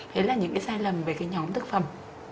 đấy là những cái sai lầm về cái nhóm thực phẩm